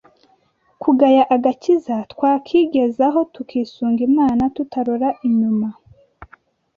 Kugaya agakiza twakigezaho, tukisunga Imana tutarora inyuma